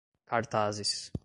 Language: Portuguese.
cartazes